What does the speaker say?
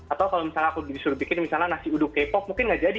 atau kalau misalnya aku disuruh bikin misalnya nasi uduk k pop mungkin nggak jadi